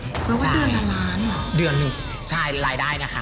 รู้ว่าเดือนในล้านหรอใช่รายได้นะคะ